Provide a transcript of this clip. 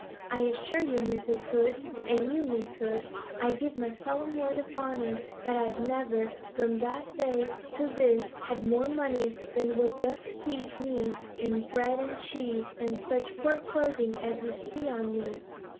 I assure you, Mrs. Hood, and to you, Miss Hood, I give my solemn word of honour, that I've never from that day to this had more money than would just keep me in bread and cheese and such poor clothing as this you see on me.